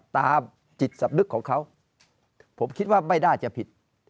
ตามจิตสำนึกของเขาผมคิดว่าไม่น่าจะผิด